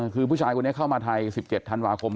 คือผู้ชายคนนี้เข้ามาไทย๑๗ธันวาคม